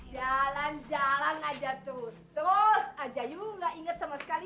jalan jalan aja terus terus aja yuk gak inget sama sekali